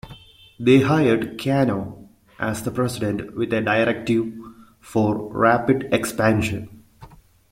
They hired Cano as the President with a directive for rapid expansion.